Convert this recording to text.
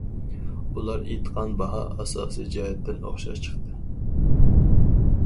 ئۇلار ئېيتقان باھا ئاساسىي جەھەتتىن ئوخشاش چىقتى.